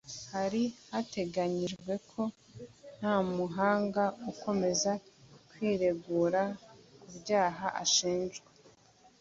hari hateganyijwe ko Ntamuhanga akomeza kwiregura ku byaha ashinjwa